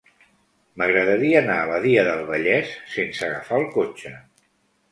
M'agradaria anar a Badia del Vallès sense agafar el cotxe.